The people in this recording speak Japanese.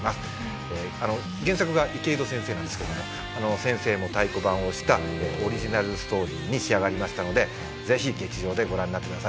原作が池井戸先生なんですけども先生も太鼓判を押したオリジナルストーリーに仕上がりましたのでぜひ劇場でご覧になってください。